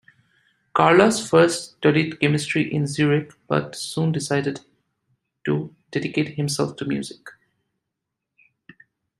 Carlos first studied chemistry in Zurich, but soon decided to dedicate himself to music.